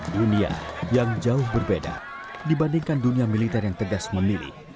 dunia yang jauh berbeda dibandingkan dunia militer yang tegas memilih